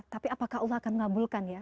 tapi apakah allah akan mengabulkan ya